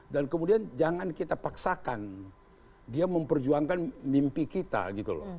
dan kemudian jangan kita paksakan dia memperjuangkan mimpi kita gitu loh